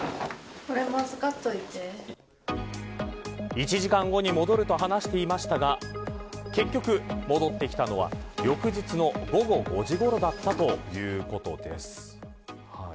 １時間後に戻ると話していましたが結局、戻ってきたのは翌日の午後５時ごろだったということです。